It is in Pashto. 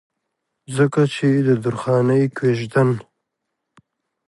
ځکه چې د درخانۍ کويژدن